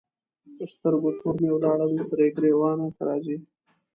د سترګو تور مي ولاړل تر ګرېوانه که راځې